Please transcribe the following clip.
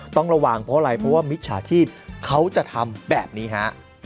ต้องระวังเพราะอะไรเพราะว่ามิจฉาชีพเขาจะทำแบบนี้ฮะ